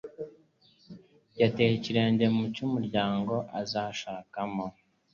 Yateye ikirenge mu muryango azashakamo